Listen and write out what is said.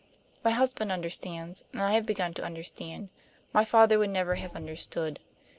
My husband understands, and I have begun to understand; my father would never have understood.